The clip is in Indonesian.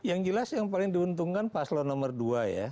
yang jelas yang paling diuntungkan paslo nomor dua ya